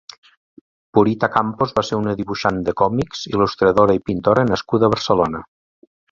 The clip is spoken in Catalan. Purita Campos va ser una dibuixant de còmics, il·lustradora i pintora nascuda a Barcelona.